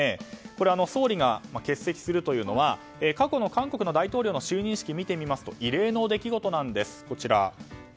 これ、総理が欠席するというのは過去の韓国の大統領の就任式を見ると異例の出来事なんです。